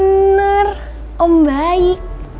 kau mau nggak ketemu sama om baik